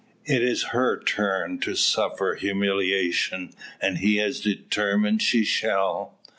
It is her turn to suffer humiliation, and he has determined she shall.